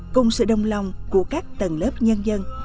cùng sự đồng lòng của các tầng lớp nhân dân